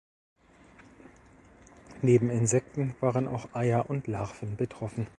Neben Insekten waren auch Eier und Larven betroffen.